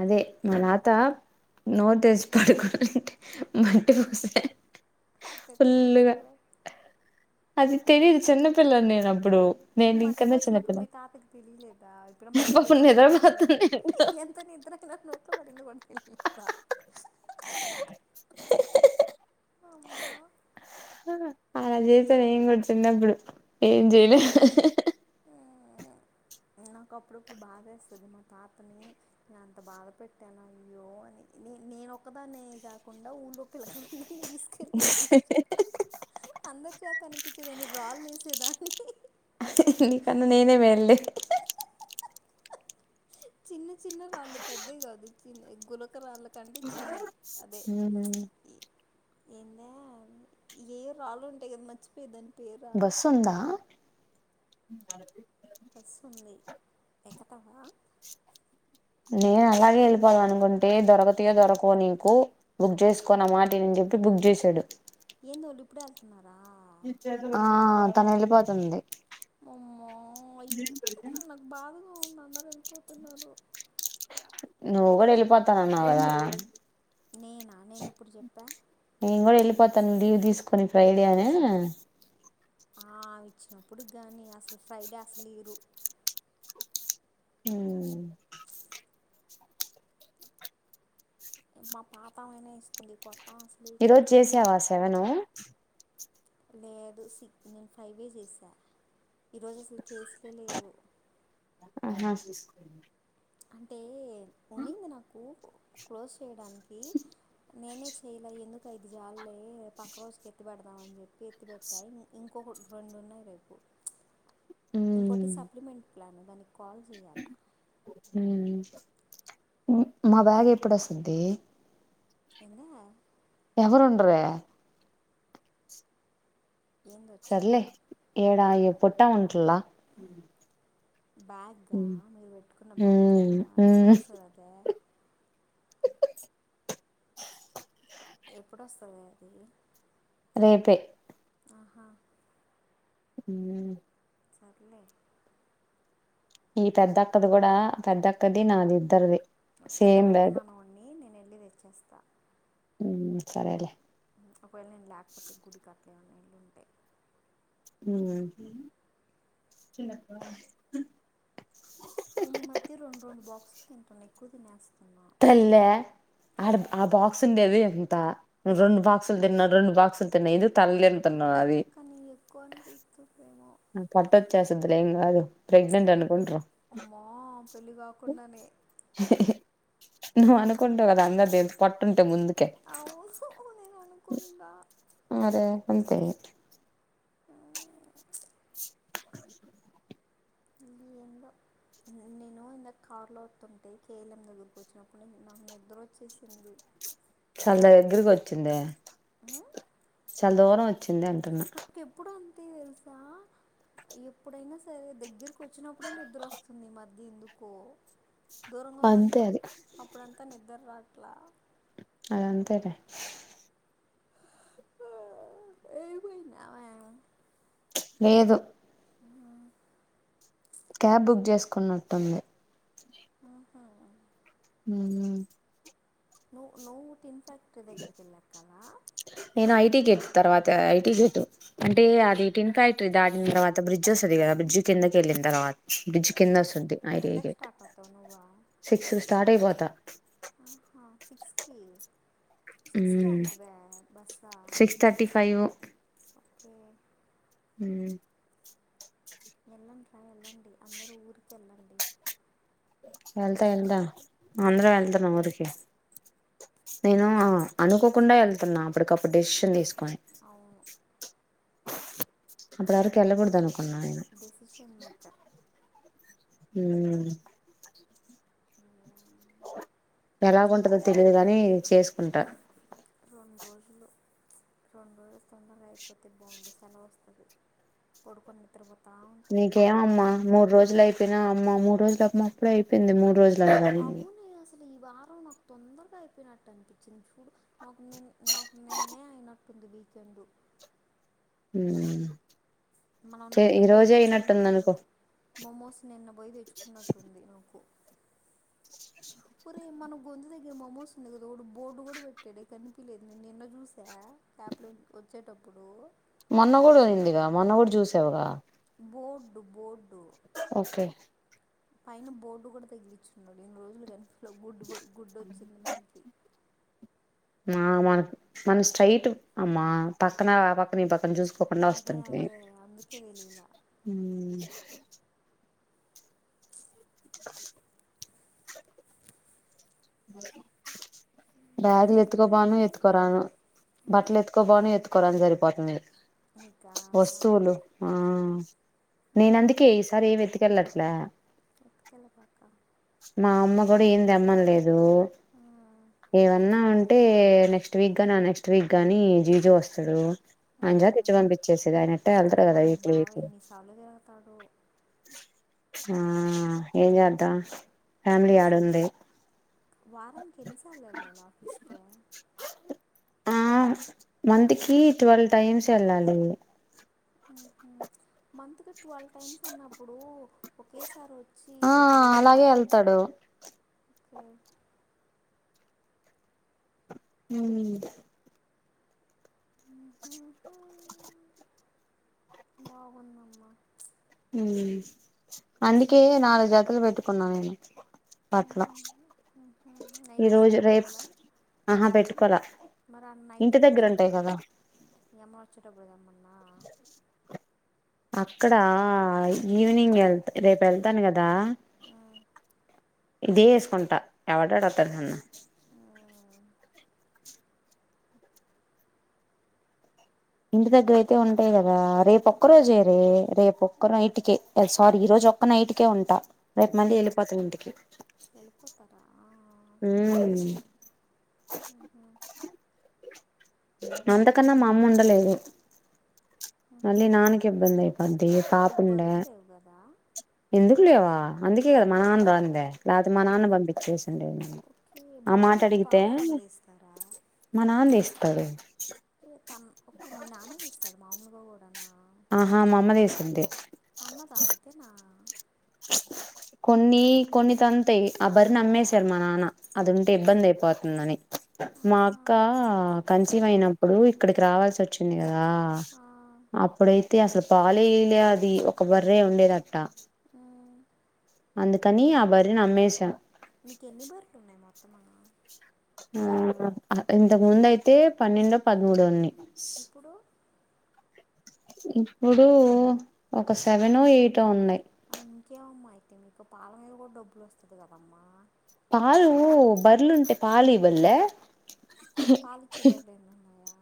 అదే మా నాత నో తెచ్చి పడుకుంటే మంటి పోస్త అతిట్ట బుచ్చల అది తెలీదు చిన్నపిల్లని నేను అప్పుడు నేను నువ్వు మట్టి నీకన్నా పోసినప్పుడు చిన్నపిల్ల మీ తాతకి తెలియలేదా ఈ పిల్ల మట్టి పాపం పోసింది ఊసరని నిద్రపోతుంది ఎంత నిద్రనా నోట్లో ఎట్ల పడింది అని తెలియదా అమ్మ అలా చేసాను నేను కూడా చిన్నప్పుడు ఏం చేయలే నాకు అప్పుడప్పుడు బాధేస్తుంది మా తాతని నే అంత బాధ పెట్టాను అయ్యో అని నే నేనొక్కదానే కాకుండా ఊళ్ళో పిల్లకాయల తీసుకెళ్తా అందరి చేత అందరి చేతని పిచ్చేదాని రాళ్ళు వేసేదాన్ని నీ కన్నా నేనే మేలులే చిన్న చిన్న రాళ్ళు పెద్దవి కాదు చిన్న గులక రాళ్ళ కంటే చిన్నవి ఉహు ఏందే ఏ రాళ్ళు ఉంటాయి కదా మర్చిపోయేదాన్ని బస్సు ఉందా బస్సు ఉంది ఎక్కతావా నేను అలాగే వెళ్ళిపోవాల అనుకుంటే దొరకతివో దొరకువో నీకు బుక్ చేసుకో నామాట విని చెప్పి బుక్ చేసాడు ఏందోళ్ళు ఇప్పుడే వెళ్తున్నారా ఆ తను వెళ్ళిపోతుంది అమ్మో అయి ఉహు ఉహు నాకు బాధగా ఉంది అంద వెళ్ళిపోతున్నారు నువ్వు కూడా వెళ్ళిపోతానన్నావా నేనా నేను ఎప్పుడు చెప్పా త తను లీవ్ తీసుకొని ఫ్రైడే అనా ఆ ఆమె ఇచ్చినప్పుడు కానీ అసలు ఫ్రైడే అసలు ఇరు హుం మా పాతాయినే ఇస్తుంది కొత్త అసలు ఈ ఇట్లా రోజు చేసే ఆస సెవెను లేదు సిక్ నేను ఫైవ్ ఏ చేసా ఈరోజు అసలు కేసులే లేవు ఆహా అంటే ఉన్నింది నాకు క్లోజ్ చేయడానికి నేనే చేయలే ఎందుకు ఐదు జాలలే పక్క రోజుకి ఎత్తి పెడదామని చెప్పి ఎత్తి పెట్టా ఇంకొక రెండు ఉన్నాయి రేపు ఇంకోటి సప్లిమెంట్ ప్లాన్ దానికి కాల్ చేయాలా హమ్ మా బ్యాగ్ ఎప్పుడోస్తది ఎందా ఎవరుండరు ఏంది సర్లే వచ్చేదే ఏడాయవు పొట్టా ఉంటలా బ్యాగ్గా మీరు పెట్టుకున్న బ్యాగ్గా మ్మ్ మ్మ్ ఎప్పుడుొస్తుంది అదే ఎప్పుడుస్తుంది అది రేపే ఆహా ఉ చర్లే ఈ పెద్దక్కది కూడా పెద్దక్కది నాది ఇద్దరిది కింద సేమ్ బ్యాగ్ పెట్టేమను వాణ్ణి నేను వెళ్ళి తెచ్చేస్తా సరే అలేే ఒకవేళ నేను లేకపోతే గుడి కా అట్టలే ఉన్నాడి ఉంటాయి చిన్న నేను ఈ మధ్య రెండు రెండు బాక్సులు తింటున్న ఎక్కువ తినేస్తును తల్లే ఆ ఆ బాక్స్ ఉండేది ఎంత రెండు బాక్సులు తిన్నా రెండు బాక్సులు తిన్నా ఇద తల్ కానీ ఎక్కువ అనిపిస్తూ ప్రేమో పట్ట వచ్చ చేసదలేిం అదు ప్రెగ్నంట్ అ పంట అమ్మా పెళ్ళి కాకుండానే నువ్వు అనుకుంటావు కదా అంద ద పట్టుంటే ముందు అవుఊ సో ఉ ననునుకుడాా అదే అంతే ఆ ఎంద నేను ఇందా కారులో వస్తుంటే కేలం దగ్గరకు వచ్చినప్పుడు నాకు నిద్ద్ర వచ్చేసింది చాల ద దగ్గరకి వచ్చింది ఆ దూరంచ్చ వచ్చింది అంటున్నా అతే తెలుసా ఎప్పుడైనా సరే దగ్గరకు వచ్చినప్పుడే నిద్ర వస్తుంది మది ఎందుకో దూరంగా అంతే ఉన్నంత అది అప్పుడంతా నిద్ర రా ఇలా అదంతే ర ఏ మయినా లేదు క్యాబ్ బుక్ చేసుకున్నట్టుంది ఆహా హ న న తన్ నేను ఐటి గెట్ తర్వాత ఐటీ గేటు అంటే అది టిన్ ఫ్యాక్టరీ దాటిన తర్వాత బ్రిడ్జ్ వస్తుంది కదా బ్రిడ్జ్ కిందకి వెళ్ళిన తర్వాత బ్రిడ్జ్ కింద సది ఐడి ఎంతకు గెట్ స్టార్ట్ అవుతావు సిక్స్ స్టార్ట్ అయిపోతు ఆహా సిక్స్ కి సిక్సకే అంటివా బస్ సిక్స్ థర్టీ ఫైవ్ హ్మ్ వెళ్ళండి రా వెళ్ళండి అందరూ ఊరికెళ్ళండి వెళ్తా వెళ్తా అందరం వెళ్దాం ఊరికి నేను అనుకోకుండా వెళ్తున్నా అప్పటికప్పుడు డెషిషన్ తీసుకు అ అవును అప్పుడు వరకి ఎళ్లా కూడాడుదనుకున్నాను డెసిషన్ మేకర్ హ ఎలాగుంటందో తెలీదు గాని చేసుకుంటా రెండు రోజులు రెండు రోజులు తొందరగా అయిపోతే బాగుడు సెలవు వస్తుంది పడుకు నిత్ర్రపో నీకేమమ్మా మూడు రోజులు అయిపోయినా అమ్మ మూ రోజు తప్పుడ అయింది మూడు రోజులు అనగానే అవునే అసలు ఈ వారం నాకు తొందరగా అయిపోయినట్టు అనిపించింది చూడు నాకు నిన్న నాకు నిన్నే అయినట్టుంది వీకెండ్ ఉ మనం నిన్న పోయి అనుకో తెచ్చుకున్నట్టుంది మోమోస్ నిన్న పోయి తెచ్చుకున్నట్టుంది నాకు ఒరే మన గొంతు దగ్గర మమోస్ ఉంది కదా ఒక బోర్డు కూడా పెట్టాడు కనిపలేదు నేను నిన్న చూసా యాప్లో వచ్చేటప్పుడు మొన్నగూడ అయిందిగా మొన్నగూడు చూసావుగా బోర్డ్డు బోర్డ్డు ఓకే పైన బోర్డు కూడా తగిలిచ్చున్నాడు ఎన్ని రోజులు కానీ లో గుడ్ గుడ్ వచ్చింది మ ఇకి ఆ మన మన స్ట్రైట్ అమ్మా పక్కన ఆ పక్కన ఈ పక్క పని చూసుకోకుండా అదే వస్తుంటిమీ అదే అందుకే తెలియలా బ బ్యాగులు ఎత్తుకోబాను ఎత్తుకోరాను బట్టలు ఎత్తుకో బాను ఎత్తు సరిపోతు నీకా వస్తువులు నేన అందుకే ఈసారి ఏం వెతికి వెళ్ళా లా ఎకల పక మా అమ్మ కూడా ఏం తేమ్మంలేదు ఏ ఏవన్నా ఉం టే నెక్స్ట్ వీక్ గాని ఆ నెక్స్ట్ వీక్ గాని జిజె వస్తాడు అంజా తెచ్చి పంపించేసది ఆయన అట్టే వెళ్తారు కదా మమ్మీ వీటిలు బావ వీట్లు ఎన్నిసార్లు తిరుగుతాడు ఆ ఏజద్దా ఫ్యామిలీ ఆడుంది వారం క ఎన్నిసాలన్నాను ఆఫీస్ క ఆ మంత్ కి ట్వెల్వ్ టైమ్స్ వెళ్ళాలి మంతగా ట్వెల్వ్ టైమ్స్ అన్నప్పుడు ఒకేసారి వచ్చి ఆ ఒక రెండు అ అలాగే వెళ్తాడు హ బాగుందమ్మ అందుకే నాలుగు జాతలు పెట్టుకున్నా నేను బట్టలు నైట్ ఈ డ్రెస్లో రోజు రేపు పెట్టుకోవాల ఆహా పెట్టుకోలా మరి అన్న నైట్ ఇంటి ఏం దగ్గర ఉంటాయి వేసుకుంటాం కదా ఏమ వచ్చేటప్పుదమ్మన్నా అక్కడ ఆ ఈవనింగ్ వెళ్ రేపు వెళ్తాను కదా ఇదే వేసుకుంటా ఎవడ అడతారు సన్న ఆ ఇంటి దగ్గరయితే ఉంటాయి కదా రేపు ఒక్క రోజే రే రేపు ఒక్క నైటికే సారీ ఈ రోజు ఒక్క నైటికే ఉంటా రేపు మళ్ళీ వెళ్ళిపోతాం ఇంటికి వెళ్ళిపోతారా అంతకన్నా మా అమ్మ ఉండలేదు ఆహా మళీ నాకి ఇబ్బందియి పాతీ మీకు పాపుండ బర్రెలు లేవు కదా ఎందుకులివా అందుకే కదా మనంట రా అంద లేకపోతే మా ఓ నాన్న పంపించేసిండే ఓకే ఆ మాట బర్రెలకు అడిగితే పాలు ఎవరు తీస్తారా మా నాన్న ఇస్త తాే త ఓే మీ నానేది ఇస్తాడు మామూలుగా కూడానా ఆహా మామదేశంట తన్నదా అయితేనా కొన్ని కొన్ని తంతయి ఆ బరి నమ్మేసారు మా నాన్న అది ఉంటే ఇబ్బంది అయిపోతుందని మా ఆహా అక్క కంచీం అయినప్పుడు ఇక్కడికి రావాసిచ్చింది కదా ఆ, అప్పుడ ఇతిహస పాలేలే అది ఒక బర్రే ఉండేదట్ట ఉ అందుకని ఆ బరి నమ్మేస మీకెన్ని బర్లున్నాయి మాక్ ఆ ఇంతకు ముందు అయితే పన్నెండో పద్దుమూడో ఉన్నయ్ ఇప్పుడు ఇప్పుడు ఒక సెవెనో ఎయిటో ఉన్నయ్ అ ఇంకేవమ్మా అయితే మీకు పాలమీద కూడా డబ్బులు వస్తది కదమ్మా పాలు బర్లుంటే పాలు ఇవల్లే పాలిచ్చే బర్లే ఎన్నున్నాయా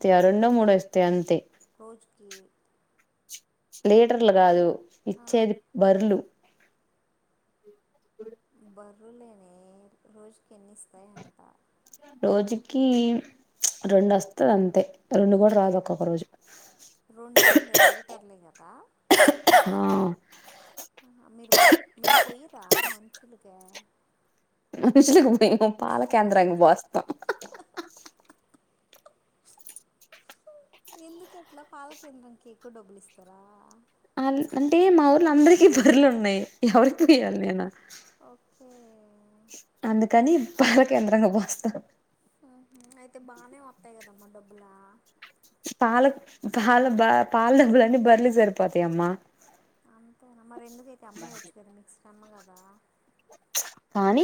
ఇగ రెండో మూడో ఇస్తయి అంతే రోజుకి లీటర్లు కాదు ఆ, ఇచ్చేది బర్లు బర్రులేనే రోజుకి ఎన్ని ఇస్తాయి అంట రోజుకి రెండు వస్తది అంతే రెండు కూడా రాదు ఒక్కొక రోజు రెండు ఏందే లీటర్లే కదా ఆ ఆహా కా అ మేము పాల కేేంద్రంగా పోస్తాం ఎందుకట్ల పాల కేేంద్రానికి ఎక్కువ డబ్బులు ఇస్తారా అంటే మా ఊర్లు అందరికీ బర్లు ఉన్నాయి ఎవరికి ఆ వేయాల నేను ఓకే అందుకని పాల కేంద్రంగా పోస్తాం ఆహ అయితే బానే ఉంటై కదా అమ్మ డబ్బులా పాల పాల బ పాల బ్లని బర్లి సరిపోతయ అమ్మా అంతేన మరి ఎందుకైతే అమ్మేయచ్చు కదా మిక్స్ అమ్మగదా కానీ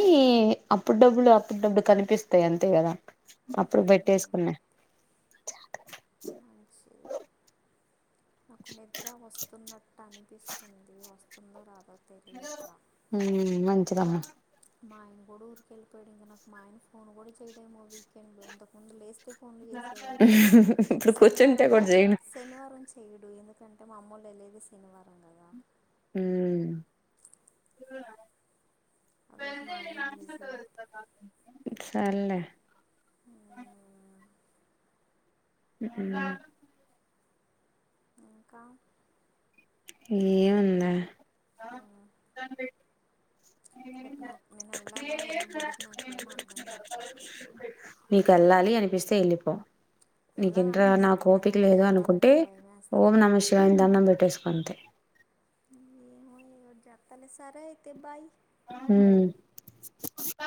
అప్పుడు డబ్బులు అప్పుడు డబ్బులు కనిపిస్తాయి అంతే కదా అప్పుడు ఉహు పెట్టేసుకున్నా మంచిది నాకు నిద్ర వస్తున్నట్ ట్టనిపిస్తుంది వస్తుందో రాదో హలో తెలియట్లా ఉ మం చ్చదమ మా ఆయన కూడా ఊరికి వెళ్ళిపోయాడు. ఇంక నాకు మా ఆయన ఫోన్ కూడా చేయడేమో వీకెండ్. ఇంతకు ముందు లేస్తే ఫోన్లు చేసేవాడు ఇప్పుడు కూర్చుంటే శనివారము కూడా శనివారం చేయడు ఎందు ఎందుకంటే మా అమ్మోలు వెళ్లేది శనివారం కదాండి ఊ ఆ రోజు వెద మా ఆయన బిజీ నన్సకరుా స అాలే అ అ ఇంకా ఏ ఉందా ఆ చట్ రేపు నాకు నేను వెళ్ళాలా లేదా గుడికి నాకేం అర్థం కావట్లా నీకు వెళ్ళాలి అని ప అలిపో నీక ఇంట నా వెళ్ళాలనిపిస్తుంది కానీ కోఓపిక ఒకటే లేదు అనుకుంటే వెళ్ళాలంటే భయం ఓం వేస్తుంది నమశివని దన్నం పెట్టేసుకుంతే జతాల సారా ఇయితే బాయి హ